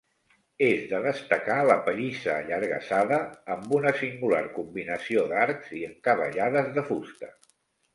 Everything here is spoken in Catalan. És de destacar la pallissa allargassada amb una singular combinació d'arcs i encavallades de fusta.